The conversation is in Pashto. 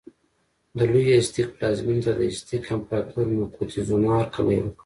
د لوی ازتېک پلازمېنې ته د ازتک امپراتور موکتیزوما هرکلی وکړ.